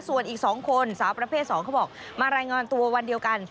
ส่วนอีก๒คนสาวประเภท๒เขาบอกมารายงานตัววันเดียวกัน